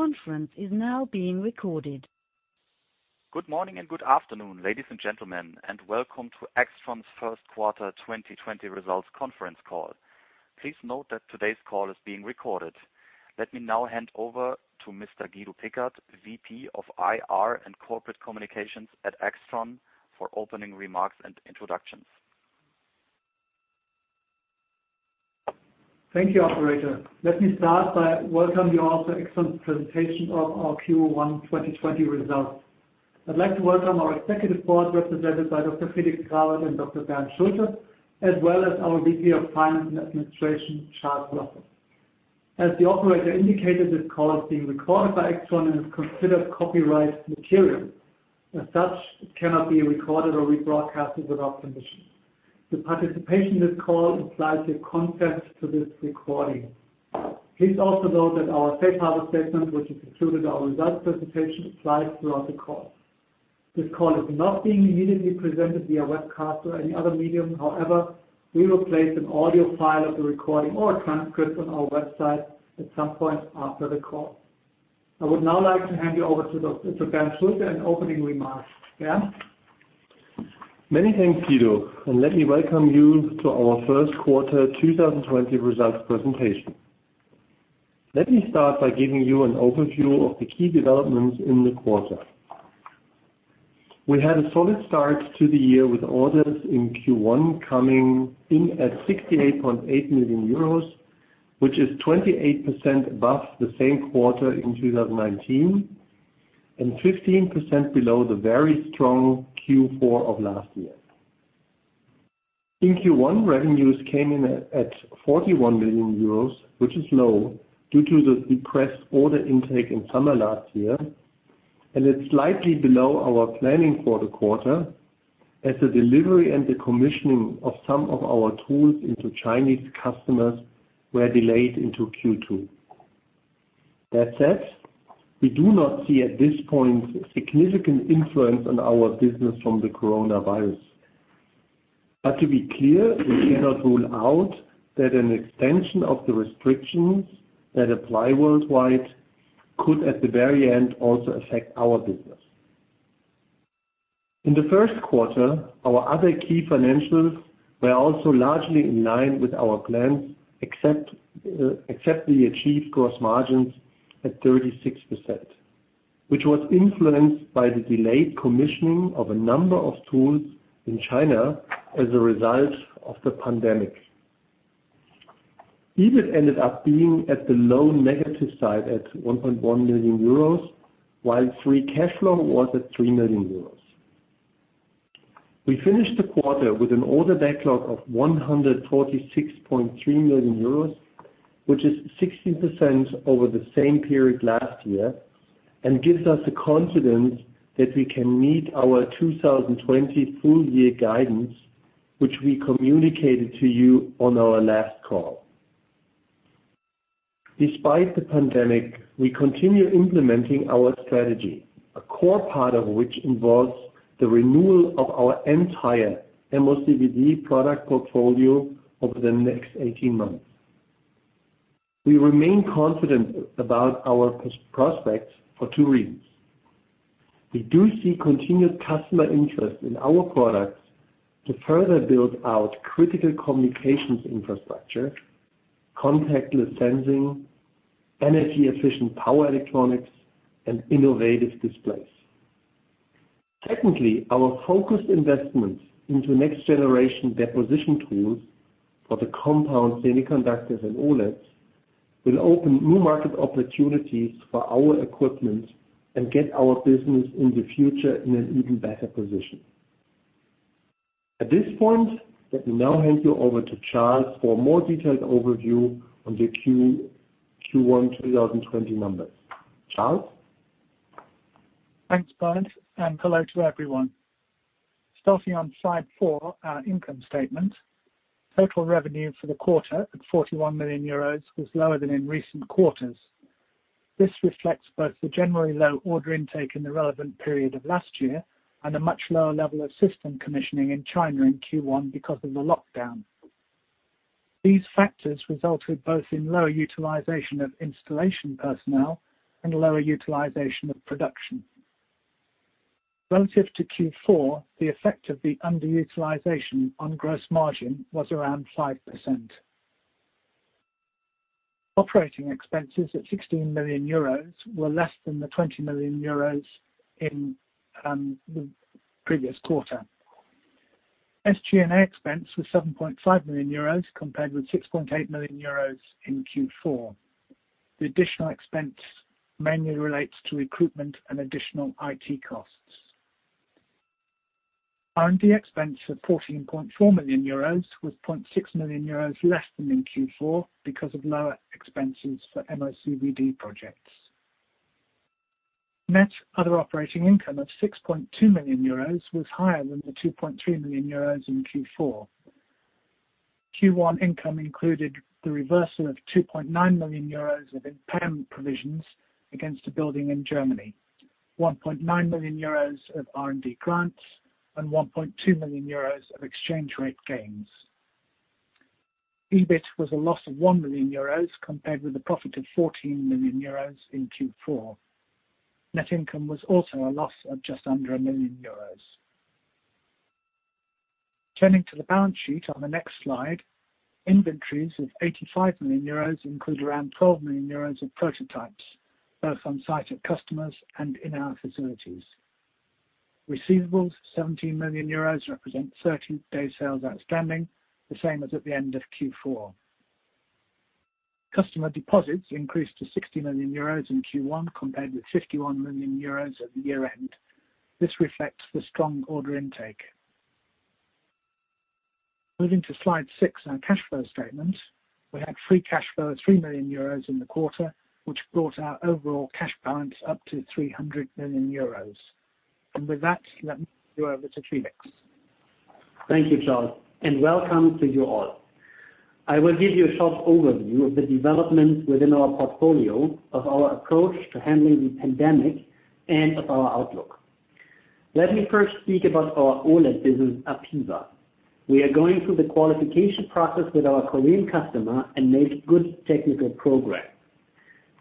Good morning and good afternoon, ladies and gentlemen, and welcome to AIXTRON's first quarter 2020 results conference call. Please note that today's call is being recorded. Let me now hand over to Mr. Guido Pickert, VP of IR and Corporate Communications at AIXTRON for opening remarks and introductions. Thank you, operator. Let me start by welcoming you all to AIXTRON presentation of our Q1 2020 results. I'd like to welcome our Executive Board represented by Dr. Felix Grawert and Dr. Bernd Schulte, as well as our VP of Finance and Administration, Charles Russell. As the operator indicated, this call is being recorded by AIXTRON and is considered copyright material. As such, it cannot be recorded or rebroadcasted without permission. The participation in this call implies your consent to this recording. Please also note that our safe harbor statement, which is included our results presentation slides throughout the call. This call is not being immediately presented via webcast or any other medium. However, we will place an audio file of the recording or a transcript on our website at some point after the call. I would now like to hand you over to Dr. Bernd Schulte and opening remarks. Bernd? Many thanks, Guido. Let me welcome you to our first quarter 2020 results presentation. Let me start by giving you an overview of the key developments in the quarter. We had a solid start to the year with orders in Q1 coming in at 68.8 million euros, which is 28% above the same quarter in 2019, and 15% below the very strong Q4 of last year. In Q1, revenues came in at 41 million euros, which is low due to the depressed order intake in summer last year, and it's slightly below our planning for the quarter as the delivery and the commissioning of some of our tools into Chinese customers were delayed into Q2. That said, we do not see at this point a significant influence on our business from the coronavirus. To be clear, we cannot rule out that an extension of the restrictions that apply worldwide could at the very end also affect our business. In the first quarter, our other key financials were also largely in line with our plans, except the achieved gross margins at 36%, which was influenced by the delayed commissioning of a number of tools in China as a result of the pandemic. EBIT ended up being at the low negative side at 1.1 million euros, while free cash flow was at 3 million euros. We finished the quarter with an order backlog of 146.3 million euros, which is 16% over the same period last year and gives us the confidence that we can meet our 2020 full year guidance, which we communicated to you on our last call. Despite the pandemic, we continue implementing our strategy, a core part of which involves the renewal of our entire MOCVD product portfolio over the next 18 months. We remain confident about our prospects for two reasons. We do see continued customer interest in our products to further build out critical communications infrastructure, contactless sensing, energy efficient power electronics, and innovative displays. Secondly, our focused investments into next generation deposition tools for the compound semiconductors and OLEDs will open new market opportunities for our equipment and get our business in the future in an even better position. At this point, let me now hand you over to Charles for a more detailed overview on the Q1 2020 numbers. Charles? Thanks, Bernd, and hello to everyone. Starting on slide four, our income statement. Total revenue for the quarter at 41 million euros was lower than in recent quarters. This reflects both the generally low order intake in the relevant period of last year and a much lower level of system commissioning in China in Q1 because of the lockdown. These factors resulted both in lower utilization of installation personnel and lower utilization of production. Relative to Q4, the effect of the underutilization on gross margin was around 5%. Operating expenses at 16 million euros were less than the 20 million euros in the previous quarter. SG&A expense was 7.5 million euros compared with 6.8 million euros in Q4. The additional expense mainly relates to recruitment and additional IT costs. R&D expense of 14.4 million euros was 0.6 million euros less than in Q4 because of lower expenses for MOCVD projects. Net other operating income of 6.2 million euros was higher than the 2.3 million euros in Q4. Q1 income included the reversal of 2.9 million euros of impairment provisions against a building in Germany, 1.9 million euros of R&D grants, and 1.2 million euros of exchange rate gains. EBIT was a loss of 1 million euros compared with a profit of 14 million euros in Q4. Net income was also a loss of just under 1 million euros. Turning to the balance sheet on the next slide. Inventories of 85 million euros include around 12 million euros of prototypes, both on site at customers and in our facilities. Receivables, 17 million euros represent 30-day sales outstanding, the same as at the end of Q4. Customer deposits increased to 60 million euros in Q1, compared with 51 million euros at the year-end. This reflects the strong order intake. Moving to slide six, our cash flow statement. We had free cash flow of 3 million euros in the quarter, which brought our overall cash balance up to 300 million euros. With that, let me hand you over to Felix. Thank you, Charles, and welcome to you all. I will give you a short overview of the developments within our portfolio of our approach to handling the pandemic and of our outlook. Let me first speak about our OLED business, APEVA. We are going through the qualification process with our Korean customer and made good technical progress.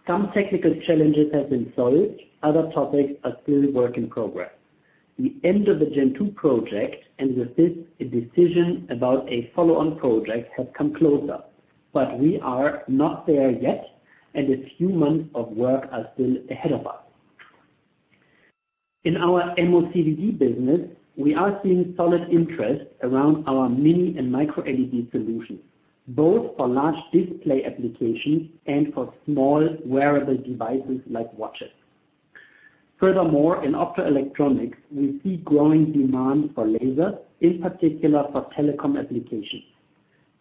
Some technical challenges have been solved. Other topics are still work in progress. The end of the Gen 2 project and with this a decision about a follow-on project has come closer. We are not there yet, and a few months of work are still ahead of us. In our MOCVD business, we are seeing solid interest around our Mini LED and MicroLED solutions, both for large display applications and for small wearable devices like watches. Furthermore, in optoelectronics, we see growing demand for laser, in particular for telecom applications.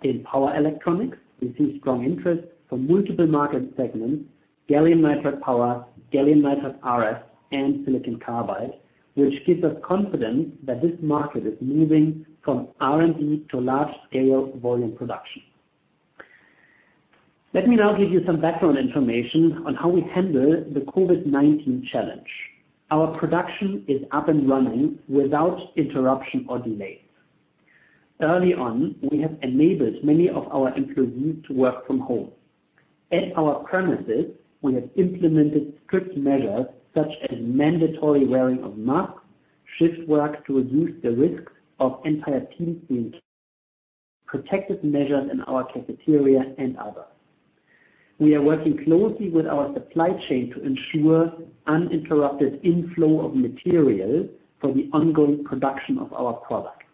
In power electronics, we see strong interest from multiple market segments, gallium nitride power, gallium nitride RF, and silicon carbide, which gives us confidence that this market is moving from R&D to large-scale volume production. Let me now give you some background information on how we handle the COVID-19 challenge. Our production is up and running without interruption or delays. Early on, we have enabled many of our employees to work from home. At our premises, we have implemented strict measures such as mandatory wearing of masks, shift work to reduce the risk of entire teams being protective measures in our cafeteria and others. We are working closely with our supply chain to ensure uninterrupted inflow of material for the ongoing production of our products.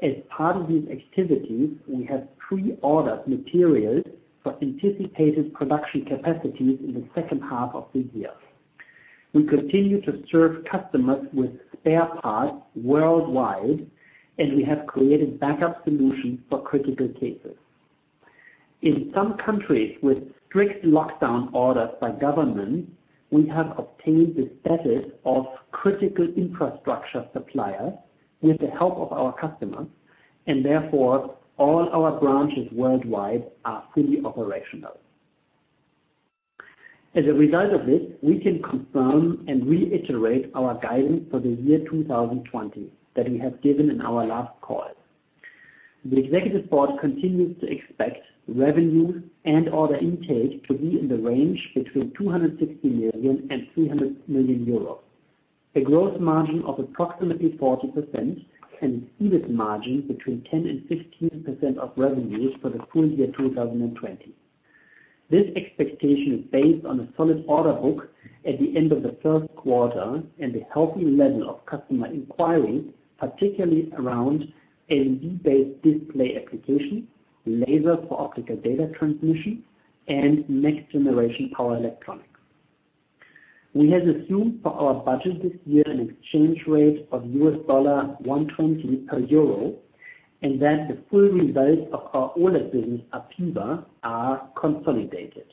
As part of these activities, we have pre-ordered materials for anticipated production capacities in the second half of this year. We continue to serve customers with spare parts worldwide, and we have created backup solutions for critical cases. In some countries with strict lockdown orders by government, we have obtained the status of critical infrastructure supplier with the help of our customers, and therefore, all our branches worldwide are fully operational. As a result of this, we can confirm and reiterate our guidance for the year 2020 that we have given in our last call. The executive board continues to expect revenue and order intake to be in the range between 260 million and 300 million euros. A gross margin of approximately 40% and EBIT margin between 10% and 15% of revenues for the full year 2020. This expectation is based on a solid order book at the end of the first quarter and a healthy level of customer inquiry, particularly around LED-based display applications, laser for optical data transmission, and next-generation power electronics. We have assumed for our budget this year an exchange rate of $1.20 per EUR, and that the full results of our OLED business, APEVA, are consolidated.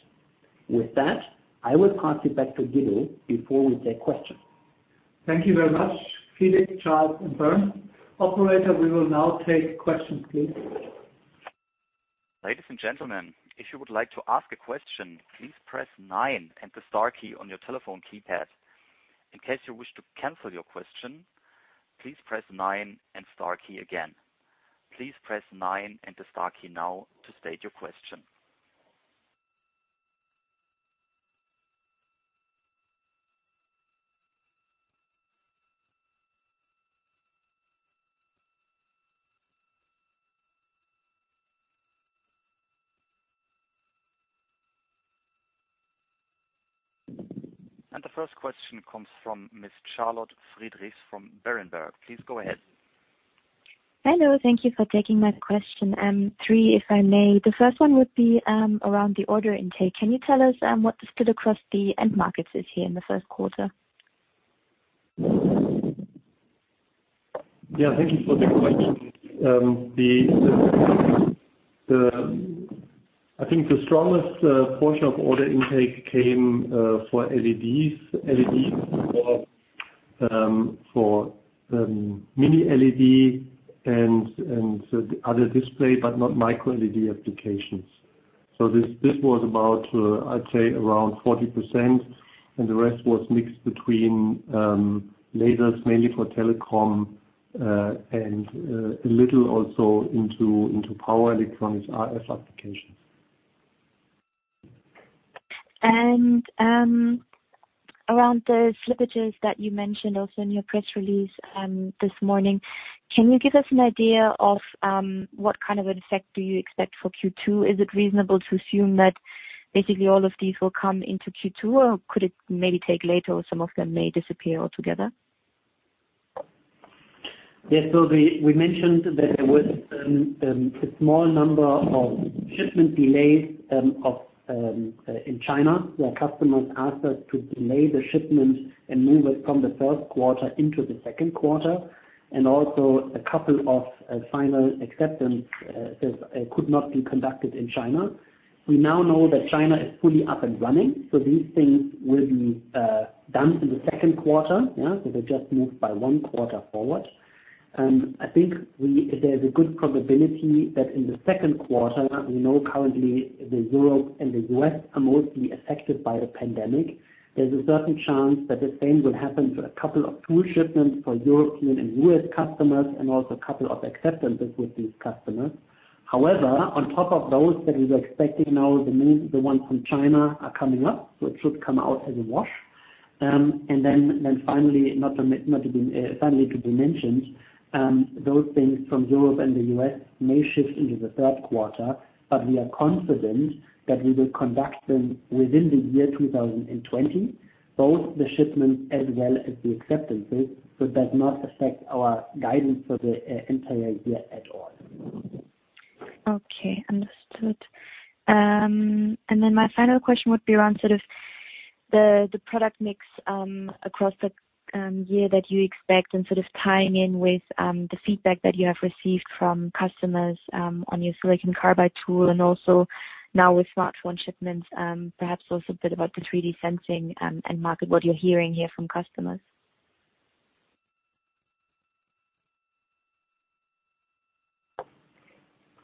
With that, I will pass it back to Guido before we take questions. Thank you very much, Felix, Charles, and Bernd. Operator, we will now take questions, please. Ladies and gentlemen, if you would like to ask a question, please press nine and the star key on your telephone keypad. In case you wish to cancel your question, please press nine and star key again. Please press nine and the star key now to state your question. The first question comes from Miss Charlotte Friedrichs from Berenberg. Please go ahead. Hello. Thank you for taking my question. Three, if I may. The first one would be around the order intake. Can you tell us what the split across the end markets is here in the first quarter? Yeah, thank you for the question. I think the strongest portion of order intake came for LEDs. LEDs for Mini LED and other display, but not MicroLED applications. This was about, I'd say, around 40%, and the rest was mixed between lasers, mainly for telecom, and a little also into power electronics RF applications. Around the slippages that you mentioned also in your press release this morning, can you give us an idea of what kind of an effect do you expect for Q2? Is it reasonable to assume that basically all of these will come into Q2, or could it maybe take later or some of them may disappear altogether? Yes. We mentioned that there was a small number of shipment delays in China, where customers asked us to delay the shipments and move it from the first quarter into the second quarter, and also a couple of final acceptance could not be conducted in China. We now know that China is fully up and running, these things will be done in the second quarter. They just moved by one quarter forward. I think there's a good probability that in the second quarter, we know currently the Europe and the U.S. are mostly affected by the pandemic. There's a certain chance that the same will happen to a couple of tool shipments for European and U.S. customers, and also a couple of acceptances with these customers. However, on top of those that we were expecting now, the ones from China are coming up, so it should come out as a wash. Finally, not to be mentioned, those things from Europe and the U.S. may shift into the third quarter, but we are confident that we will conduct them within the year 2020, both the shipments as well as the acceptances. It does not affect our guidance for the entire year at all. Okay, understood. My final question would be around the product mix across the year that you expect and sort of tying in with the feedback that you have received from customers on your silicon carbide tool and also now with smartphone shipments, perhaps also a bit about the 3D sensing end market, what you're hearing here from customers.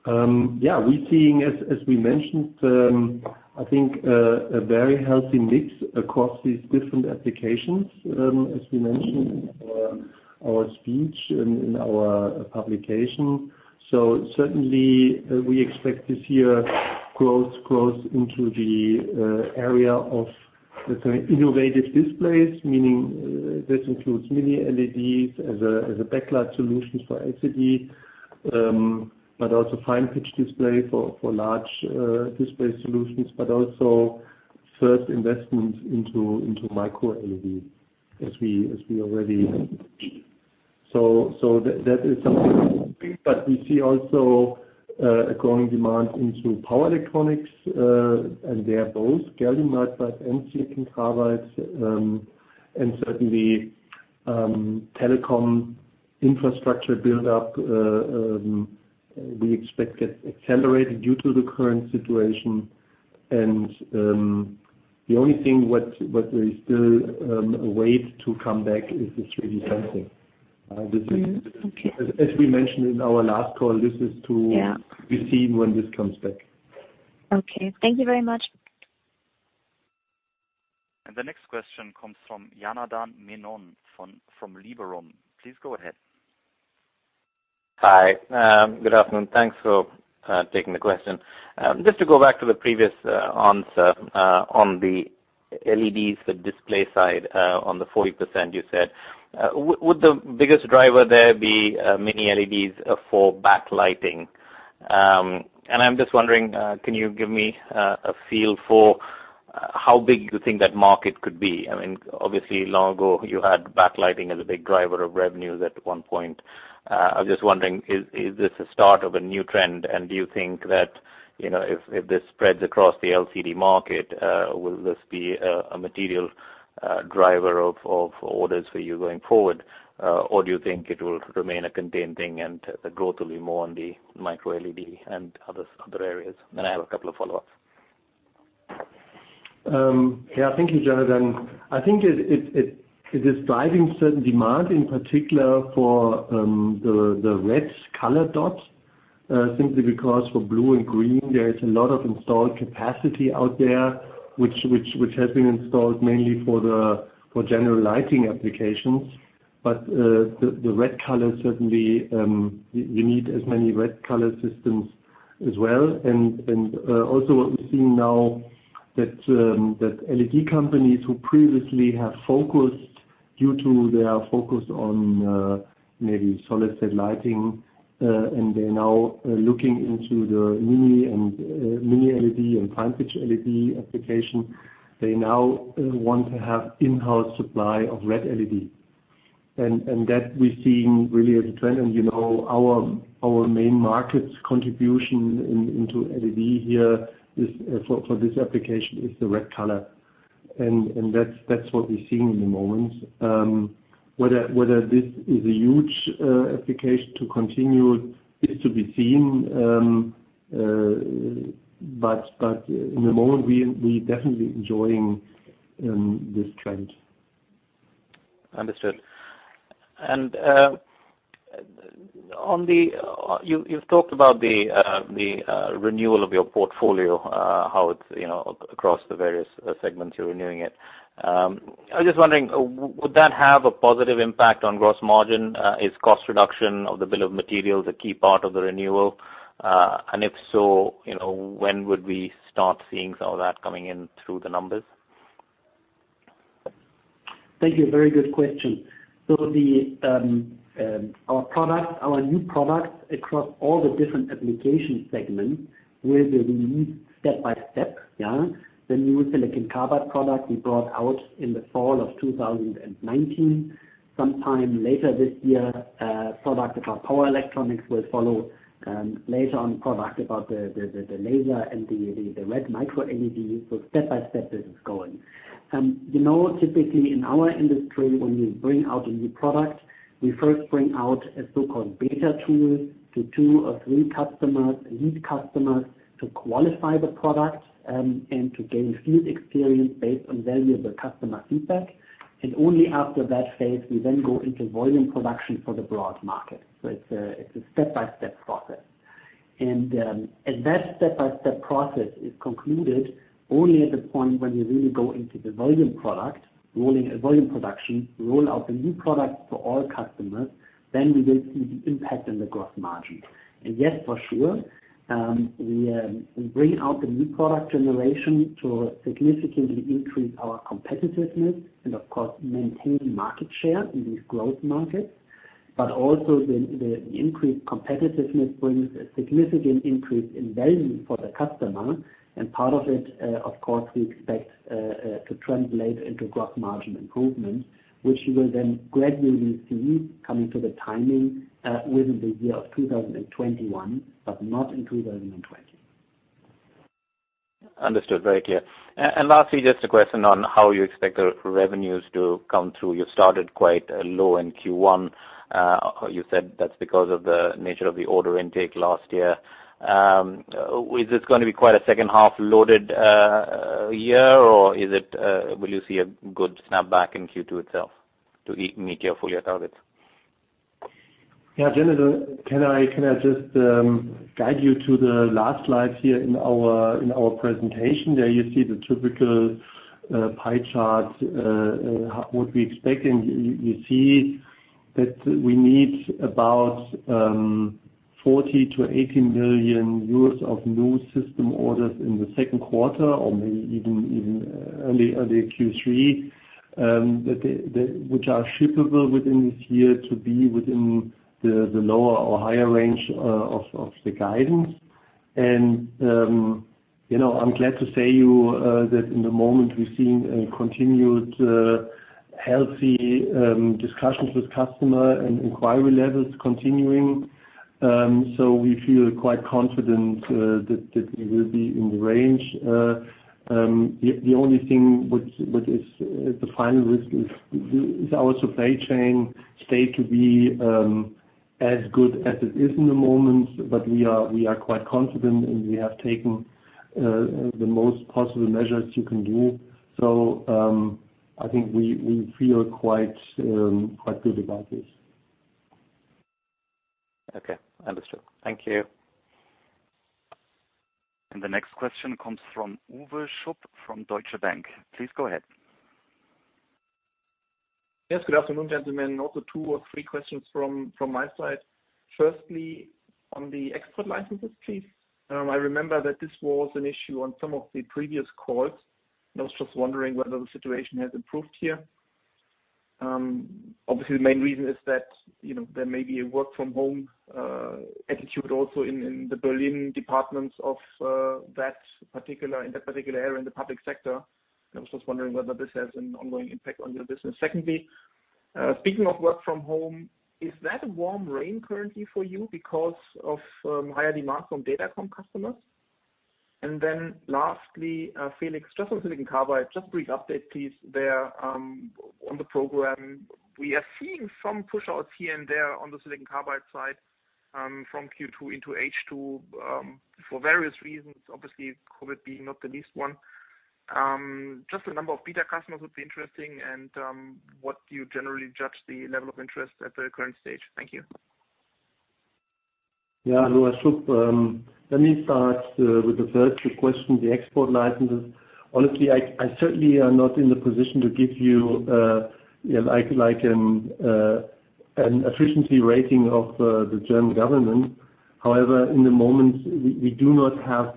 Yeah. We're seeing, as we mentioned, I think a very healthy mix across these different applications, as we mentioned in our speech, in our publication. Certainly, we expect this year growth into the area of innovative displays, meaning this includes Mini LEDs as a backlight solution for LCD, but also fine-pitch display for large display solutions, but also first investments into MicroLED, as we already mentioned. That is something. We see also a growing demand into power electronics, and they are both gallium nitride and silicon carbides. Certainly, telecom infrastructure buildup, we expect it accelerated due to the current situation. The only thing what we still wait to come back is the 3D sensing. Okay. As we mentioned in our last call, this is. Yeah be seen when this comes back. Okay. Thank you very much. The next question comes from Janardan Menon from Liberum. Please go ahead. Hi. Good afternoon. Thanks for taking the question. Just to go back to the previous answer on the LEDs, the display side, on the 40% you said. Would the biggest driver there be Mini LEDs for backlighting? I'm just wondering, can you give me a feel for how big you think that market could be? Obviously long ago, you had backlighting as a big driver of revenues at one point. I'm just wondering, is this a start of a new trend, and do you think that if this spreads across the LCD market, will this be a material driver of orders for you going forward? Do you think it will remain a contained thing and the growth will be more on the MicroLED and other areas? I have a couple of follow-ups. Yeah. Thank you, Janardan. I think it is driving certain demand, in particular for the red color dots. Simply because for blue and green, there is a lot of installed capacity out there, which has been installed mainly for general lighting applications. The red color, certainly, you need as many red color systems as well. Also what we're seeing now that LED companies who previously have focused due to their focus on maybe solid-state lighting, and they're now looking into the Mini LED and fine-pitch LED application. They now want to have in-house supply of red LED. That we're seeing really as a trend. Our main market's contribution into LED here for this application is the red color. That's what we're seeing in the moment. Whether this is a huge application to continue is to be seen. In the moment, we definitely enjoying this trend. Understood. You've talked about the renewal of your portfolio, how it's across the various segments you're renewing it. I was just wondering, would that have a positive impact on gross margin? Is cost reduction of the bill of materials a key part of the renewal? If so, when would we start seeing some of that coming in through the numbers? Thank you. Very good question. Our new products across all the different application segments will be released step by step. The new silicon carbide product we brought out in the fall of 2019. Sometime later this year, a product about power electronics will follow. Later on, product about the laser and the red MicroLED. Step by step, this is going. Typically in our industry, when we bring out a new product, we first bring out a so-called beta tool to two or three customers, lead customers, to qualify the product, and to gain field experience based on valuable customer feedback. Only after that phase, we then go into volume production for the broad market. It's a step-by-step process. That step-by-step process is concluded only at the point when we really go into the volume production, roll out the new product for all customers, then we will see the impact on the gross margin. Yes, for sure, we bring out the new product generation to significantly increase our competitiveness and of course, maintain market share in these growth markets, but also the increased competitiveness brings a significant increase in value for the customer. Part of it, of course, we expect to translate into gross margin improvements, which we'll then gradually see coming to the timing within the year of 2021, but not in 2020. Understood. Very clear. Lastly, just a question on how you expect the revenues to come through. You started quite low in Q1. You said that's because of the nature of the order intake last year. Is this going to be quite a second half loaded year, or will you see a good snapback in Q2 itself to meet your full year targets? Yeah. Janardan, can I just guide you to the last slide here in our presentation? There you see the typical pie chart, what we expect, and you see that we need about 40 million-80 million euros of new system orders in the second quarter, or maybe even early Q3, which are shippable within this year to be within the lower or higher range of the guidance. I'm glad to say that in the moment we're seeing continued healthy discussions with customer and inquiry levels continuing. We feel quite confident that we will be in the range. The only thing which is the final risk is our supply chain stay to be as good as it is in the moment. We are quite confident, and we have taken the most possible measures you can do. I think we feel quite good about this. Okay, understood. Thank you. The next question comes from Uwe Schupp, from Deutsche Bank. Please go ahead. Yes, good afternoon, gentlemen. Two or three questions from my side. Firstly, on the export licenses, please. I remember that this was an issue on some of the previous calls. I was just wondering whether the situation has improved here. Obviously, the main reason is that there may be a work from home attitude also in the Berlin departments in that particular area in the public sector. I was just wondering whether this has an ongoing impact on your business. Secondly, speaking of work from home, is that a warm rain currently for you because of higher demand from datacom customers? Lastly, Felix, just on silicon carbide, just a brief update please there on the program. We are seeing some push outs here and there on the silicon carbide side from Q2 into H2 for various reasons, obviously COVID being not the least one. Just a number of beta customers would be interesting and what you generally judge the level of interest at the current stage. Thank you. Hello, Schupp. Let me start with the first two questions, the export licenses. Honestly, I certainly am not in the position to give you an efficiency rating of the German government. In the moment, we do not have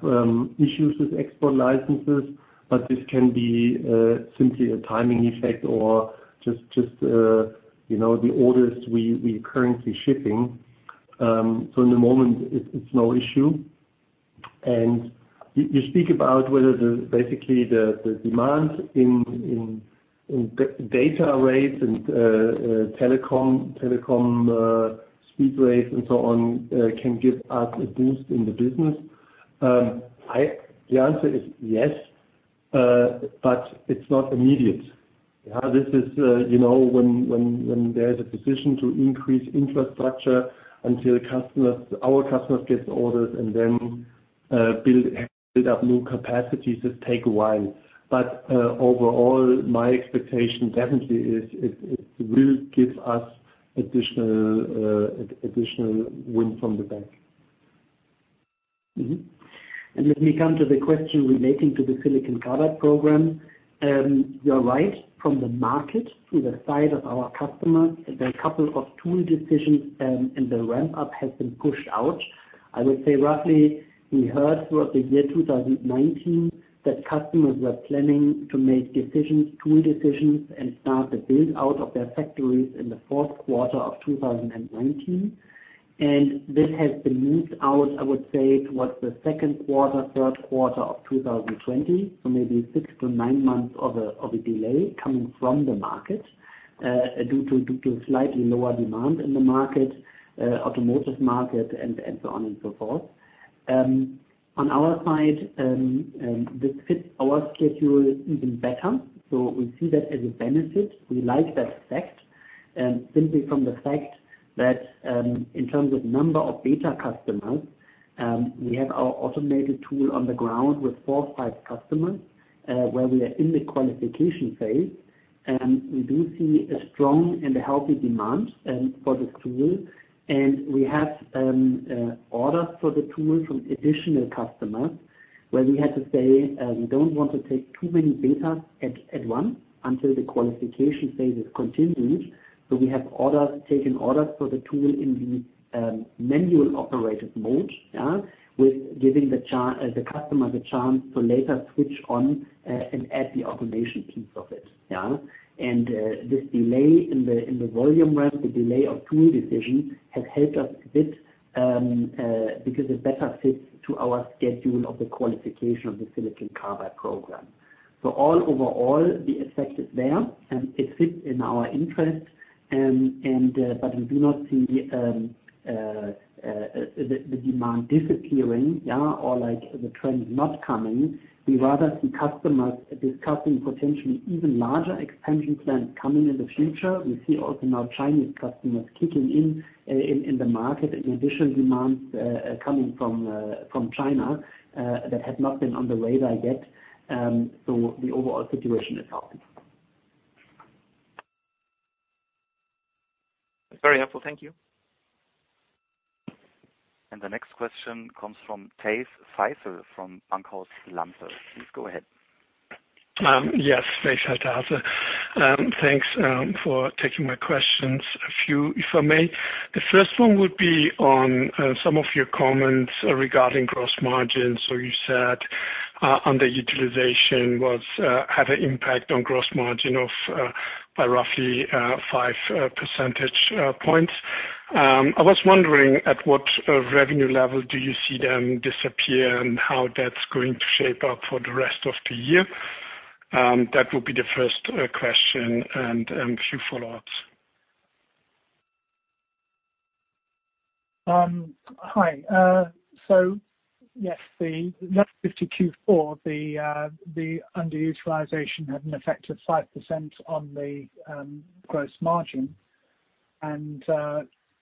issues with export licenses, but this can be simply a timing effect or just the orders we currently shipping. In the moment it's no issue. You speak about whether basically the demand in data rates and telecom speed rates and so on can give us a boost in the business. The answer is yes, it's not immediate. This is when there is a decision to increase infrastructure until our customers get orders. Build up new capacities that take a while. Overall, my expectation definitely is it will give us additional wind from the back. Let me come to the question relating to the silicon carbide program. You're right. From the market to the side of our customers, there are a couple of tool decisions, and the ramp-up has been pushed out. I would say roughly we heard throughout the year 2019 that customers were planning to make decisions, tool decisions, and start the build-out of their factories in the fourth quarter of 2019. This has been moved out, I would say, towards the second quarter, third quarter of 2020. Maybe six to nine months of a delay coming from the market, due to slightly lower demand in the market, automotive market, and so on and so forth. On our side, this fits our schedule even better. We see that as a benefit. We like that fact. Simply from the fact that, in terms of number of beta customers, we have our automated tool on the ground with four or five customers, where we are in the qualification phase. We do see a strong and a healthy demand for this tool. We have orders for the tool from additional customers, where we had to say, we don't want to take too many betas at once until the qualification phase is continued. We have taken orders for the tool in the manual operated mode. Yeah. With giving the customer the chance to later switch on and add the automation piece of it. Yeah. This delay in the volume ramp, the delay of tool decision, has helped us a bit, because it better fits to our schedule of the qualification of the silicon carbide program. All overall, the effect is there, and it fits in our interest. We do not see the demand disappearing or the trend not coming. We rather see customers discussing potentially even larger expansion plans coming in the future. We see also now Chinese customers kicking in in the market and additional demands coming from China, that had not been on the radar yet. The overall situation is healthy. Very helpful. Thank you. The next question comes from Veysel Taze from Bankhaus Lampe. Please go ahead. Yes. Veysel Taze. Thanks for taking my questions. A few, if I may. The first one would be on some of your comments regarding gross margins. You said underutilization had an impact on gross margin of by roughly 5 percentage points. I was wondering at what revenue level do you see them disappear and how that's going to shape up for the rest of the year? That would be the first question and a few follow-ups. Hi. Yes, the net 50 Q4, the underutilization had an effect of 5% on the gross margin.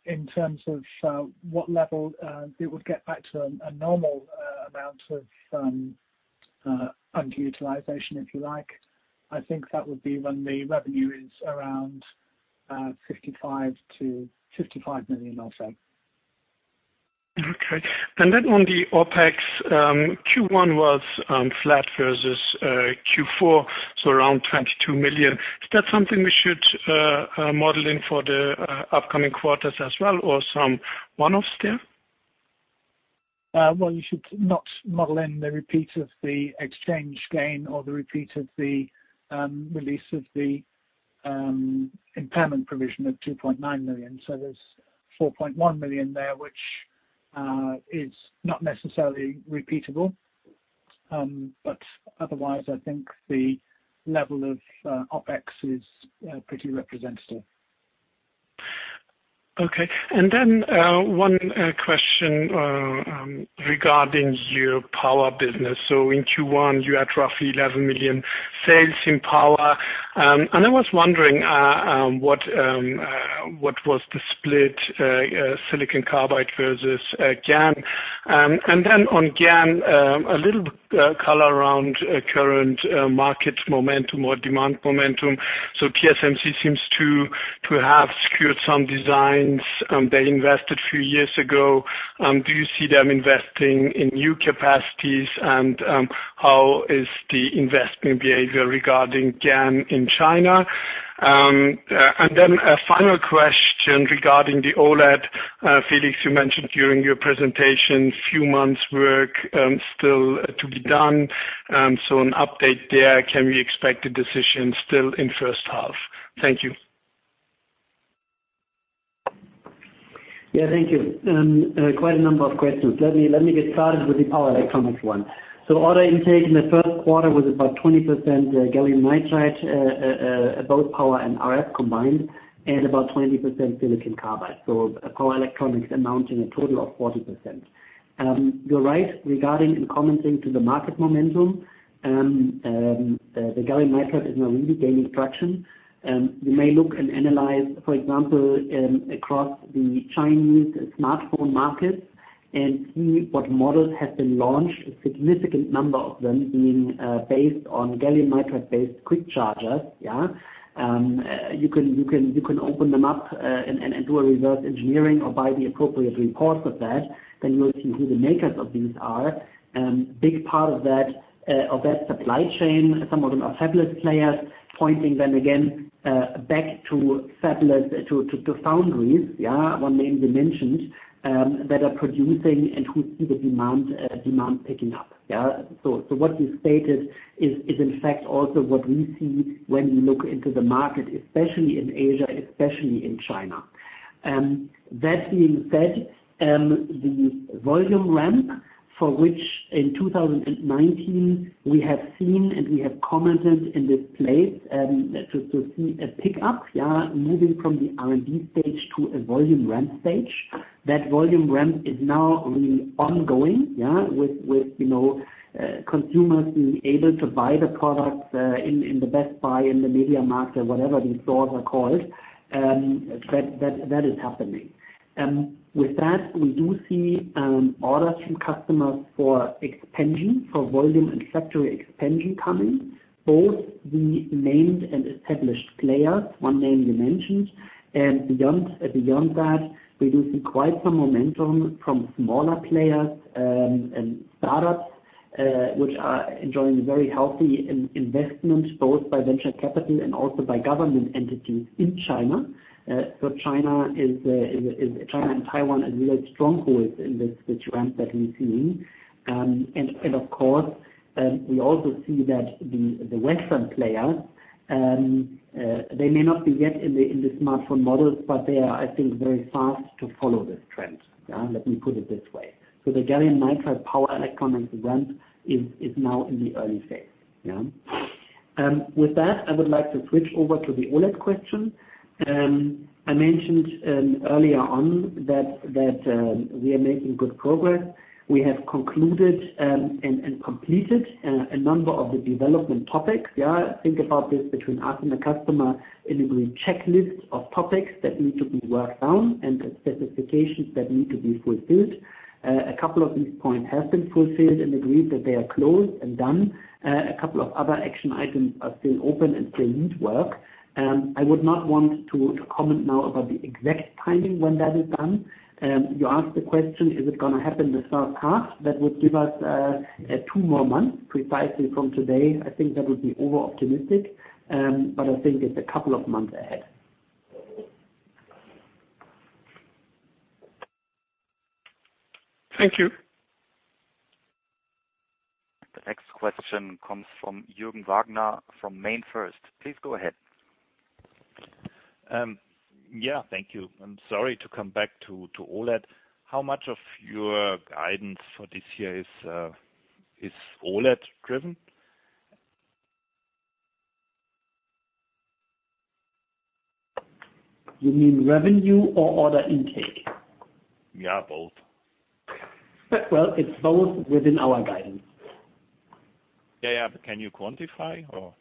In terms of what level it would get back to a normal amount of underutilization, if you like. I think that would be when the revenue is around 55 million or so. Okay. On the OpEx, Q1 was flat versus Q4, so around 22 million. Is that something we should model in for the upcoming quarters as well, or some one-offs there? Well, you should not model in the repeat of the exchange gain or the repeat of the release of the impairment provision of 2.9 million. There's 4.1 million there, which is not necessarily repeatable. Otherwise, I think the level of OpEx is pretty representative. Okay. One question regarding your power business. In Q1, you had roughly 11 million sales in power. I was wondering, what was the split, silicon carbide versus GaN? On GaN, a little color around current market momentum or demand momentum. TSMC seems to have secured some designs they invested a few years ago. Do you see them investing in new capacities? How is the investment behavior regarding GaN in China? A final question regarding the OLED. Felix, you mentioned during your presentation a few months work still to be done. An update there. Can we expect a decision still in the first half? Thank you. Yeah, thank you. Quite a number of questions. Let me get started with the power electronics one. Order intake in the first quarter was about 20% gallium nitride, both power and RF combined, and about 20% silicon carbide. Power electronics amounting a total of 40%. You're right regarding and commenting to the market momentum. The gallium nitride is now really gaining traction. You may look and analyze, for example, across the Chinese smartphone market. See what models have been launched, a significant number of them being based on gallium nitride-based quick chargers. You can open them up and do a reverse engineering or buy the appropriate reports of that. You will see who the makers of these are. Big part of that supply chain, some of them are fabless players, pointing then again, back to foundries. One name we mentioned, that are producing and who see the demand picking up. What you stated is in fact also what we see when we look into the market, especially in Asia, especially in China. That being said, the volume ramp for which in 2019 we have seen and we have commented in this place to see a pickup. Moving from the R&D stage to a volume ramp stage. That volume ramp is now really ongoing. With consumers being able to buy the product in the Best Buy, in the MediaMarkt, whatever these stores are called. That is happening. With that, we do see orders from customers for expansion, for volume and factory expansion coming. Both the named and established players, one name you mentioned. Beyond that, we do see quite some momentum from smaller players, and startups, which are enjoying very healthy investment both by venture capital and also by government entities in China. China and Taiwan is really a stronghold in this trend that we're seeing. Of course, we also see that the Western players, they may not be yet in the smartphone models, but they are, I think, very fast to follow this trend. Let me put it this way. The gallium nitride power electronics ramp is now in the early phase. With that, I would like to switch over to the OLED question. I mentioned earlier on that we are making good progress. We have concluded and completed a number of the development topics. Think about this between us and the customer, an agreed checklist of topics that need to be worked on and the specifications that need to be fulfilled. A couple of these points have been fulfilled and agreed that they are closed and done. A couple of other action items are still open and still need work. I would not want to comment now about the exact timing when that is done. You asked the question, is it going to happen the first half? That would give us two more months precisely from today. I think that would be over-optimistic. I think it's a couple of months ahead. Thank you. The next question comes from Jürgen Wagner from MainFirst. Please go ahead. Thank you. I'm sorry to come back to OLED. How much of your guidance for this year is OLED driven? You mean revenue or order intake? Yeah, both. Well, it's both within our guidance. Yeah. Can you quantify, or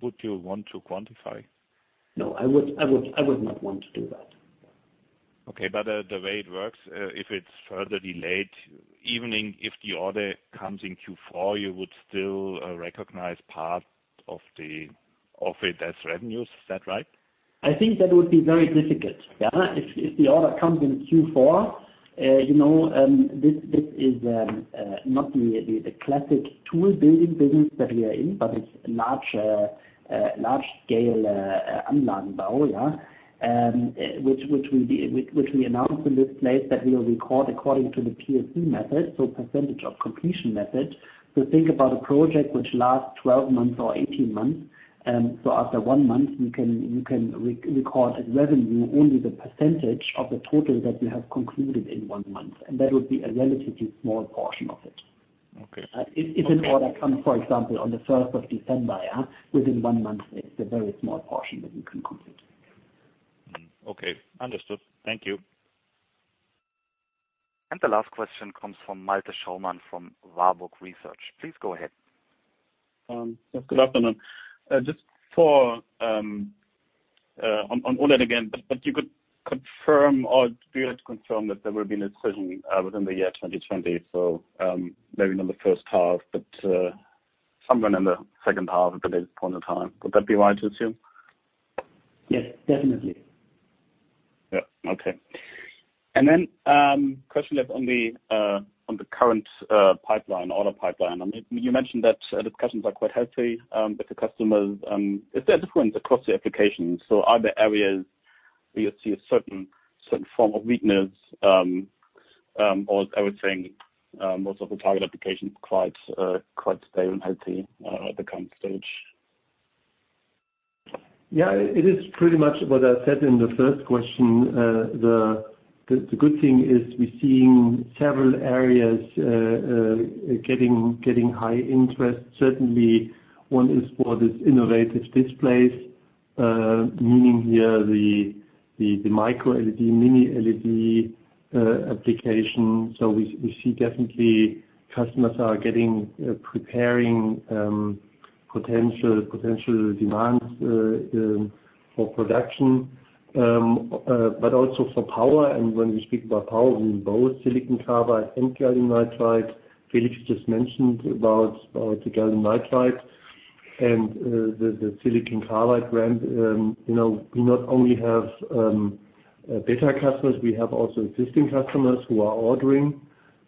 would you want to quantify? No, I would not want to do that. Okay. The way it works, if it's further delayed, even if the order comes in Q4, you would still recognize part of it as revenues. Is that right? I think that would be very difficult. If the order comes in Q4, this is not really the classic tool building business that we are in, but it is large scale which we announced in this place that we will record according to the POC method, so percentage of completion method. Think about a project which lasts 12 months or 18 months. After one month, you can record as revenue, only the percentage of the total that we have concluded in one month. That would be a relatively small portion of it. Okay. If an order comes, for example, on the first of December, within one month, it is a very small portion that you can consider. Okay. Understood. Thank you. The last question comes from Malte Schaumann from Warburg Research. Please go ahead. Yes, good afternoon. Just on OLED again, you could confirm or be able to confirm that there will be a decision within the year 2020, so maybe not the first half, but somewhere in the second half at the latest point of time. Would that be right to assume? Yes, definitely. Yeah. Okay. Question left on the current order pipeline. You mentioned that the discussions are quite healthy. With the customers, is there a difference across the applications? Are there areas where you see a certain form of weakness? I would think, most of the target applications quite stable and healthy, at the current stage. Yeah, it is pretty much what I said in the first question. The good thing is we're seeing several areas getting high interest. Certainly one is for these innovative displays, meaning here the MicroLED, Mini LED application. We see definitely customers are preparing potential demands for production, but also for power. When we speak about power, we mean both silicon carbide and gallium nitride. Felix just mentioned about the gallium nitride and the silicon carbide ramp. We not only have beta customers, we have also existing customers who are ordering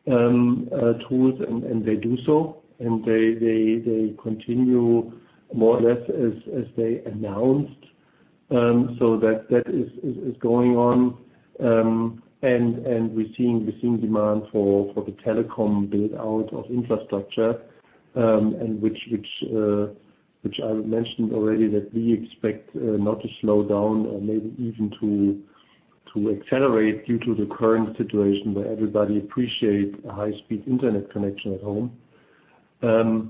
tools, and they do so, and they continue more or less as they announced. That is going on. We're seeing demand for the telecom build-out of infrastructure, and which I mentioned already that we expect not to slow down and maybe even to accelerate due to the current situation where everybody appreciates a high-speed Internet connection at home. These are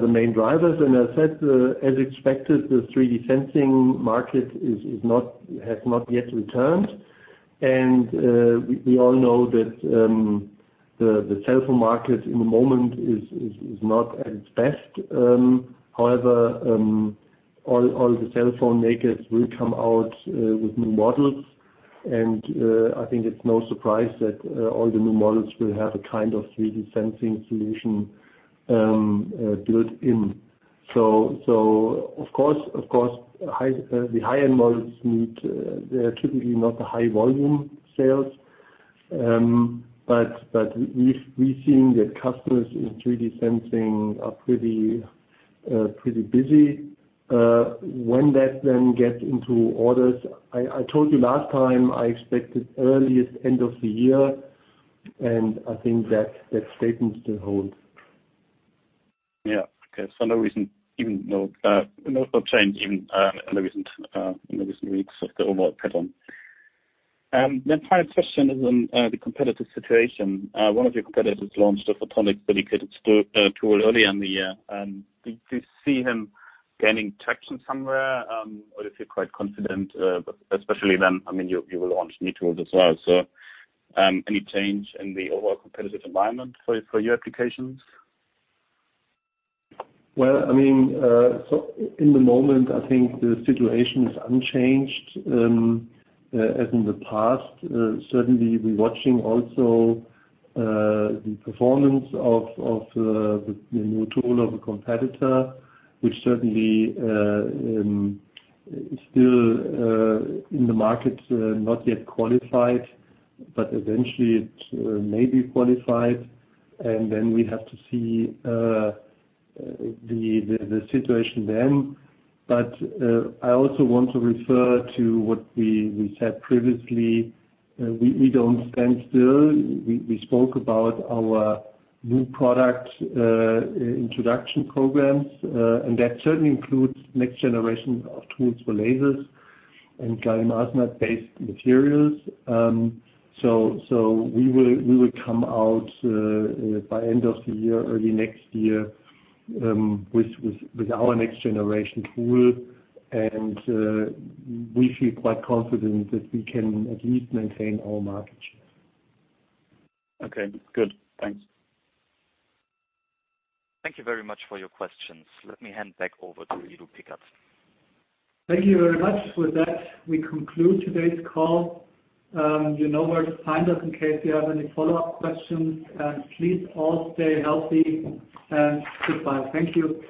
the main drivers. As said, as expected, the 3D sensing market has not yet returned. We all know that the cellphone market in the moment is not at its best. However, all the cellphone makers will come out with new models, and I think it's no surprise that all the new models will have a kind of 3D sensing solution built in. Of course, the high-end models need, they are typically not the high volume sales. We've seen that customers in 3D sensing are pretty busy. When that then gets into orders, I told you last time, I expected earliest end of the year, and I think that statement still holds. Yeah. Okay. No change even in the recent weeks of the overall pattern. The final question is on the competitive situation. One of your competitors launched a photonics dedicated tool early in the year. Do you see him gaining traction somewhere? Do you feel quite confident, especially then, you will launch new tools as well. Any change in the overall competitive environment for your applications? Well, in the moment, I think the situation is unchanged as in the past. Certainly, we're watching also the performance of the new tool of a competitor, which certainly is still in the market, not yet qualified, but eventually it may be qualified. Then we have to see the situation then. I also want to refer to what we said previously. We don't stand still. We spoke about our new product introduction programs. That certainly includes next generation of tools for lasers and gallium arsenide-based materials. We will come out by end of the year, early next year, with our next generation tool. We feel quite confident that we can at least maintain our market share. Okay, good. Thanks. Thank you very much for your questions. Let me hand back over to Guido Pickert. Thank you very much. With that, we conclude today's call. You know where to find us in case you have any follow-up questions. Please all stay healthy, and goodbye. Thank you.